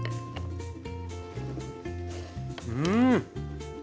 うん！